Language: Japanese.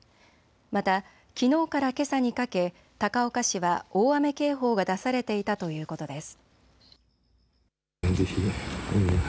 また、きのうからけさにかけ高岡市は大雨警報が出されていたということです。